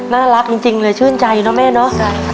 น่ารักจริงเลยชื่นใจเนอะแม่เนาะ